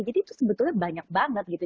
jadi itu sebetulnya banyak banget gitu